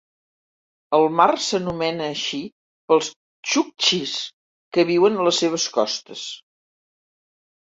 El mar s'anomena així pels txuktxis, que viuen a les seves costes.